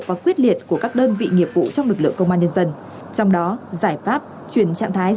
và quyết liệt của các đơn vị nghiệp vụ trong lực lượng công an nhân dân trong đó giải pháp chuyển trạng thái